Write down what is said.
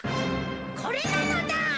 これなのだ！